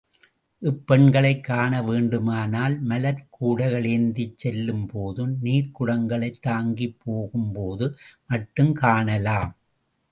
இப்பெண்களைக் காண வேண்டுமானால் மலர்க் கூடைகள் ஏந்திச் செல்லும் போதும், நீர்க்குடங்களைத் தாங்கிப் போகும் போது மட்டும் காணலாம்.